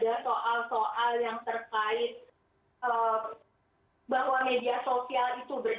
saya setuju kalau ada soal soal yang terkait dengan bahwa media sosialgosnya itu bergampang